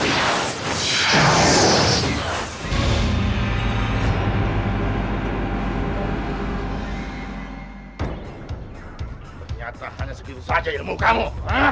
ternyata hanya segitu saja ilmu kamu